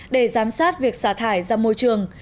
để giám sát việc xả thải ra môi trường